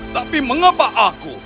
tapi mengapa aku